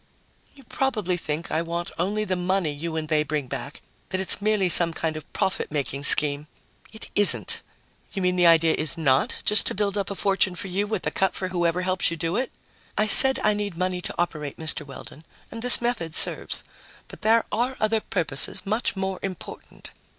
"You probably think I want only the money you and they bring back, that it's merely some sort of profit making scheme. It isn't." "You mean the idea is not just to build up a fortune for you with a cut for whoever helps you do it?" "I said I need money to operate, Mr. Weldon, and this method serves. But there are other purposes, much more important.